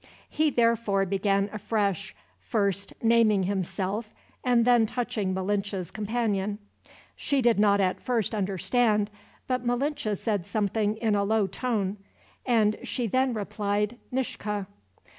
He therefore began afresh, first naming himself, and then touching Malinche's companion. She did not at first understand, but Malinche said something in a low tone, and she then replied, "Nishka."